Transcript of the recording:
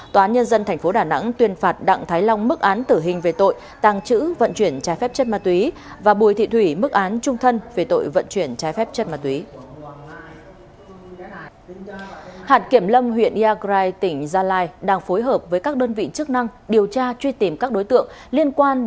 tòa án nhân dân tp đà nẵng tuyên phạt đặng thái long mức án tử hình về tội tàng trữ vận chuyển trái phép chất ma túy và bùi thị thủy mức án trung thân về tội vận chuyển trái phép chất ma túy